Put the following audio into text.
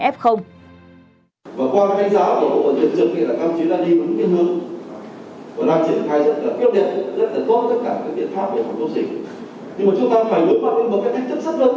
và qua cánh giáo của bộ y tế trường hợp này là các chuyên gia đi bấm biên hương và đang triển khai rất là tiêu đẹp rất là tốt tất cả các biện pháp về phòng chống dịch